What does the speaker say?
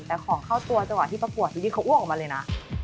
แต่ของเข้าตัวเฉวดที่ประกวดทีนี่เขาอุ้อกมาเลยนะ